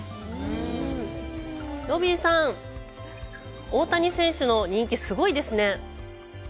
ロビーさん、大谷選手の人気、すごいですね。